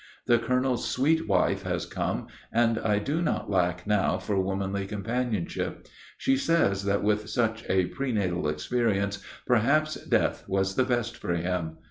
The colonel's sweet wife has come, and I do not lack now for womanly companionship. She says that with such a prenatal experience perhaps death was the best for him.